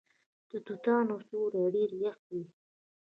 د توتانو سیوری ډیر یخ وي.